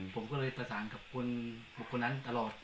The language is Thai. ผมก็เลยประสานกับคนบุคคลนั้นตลอด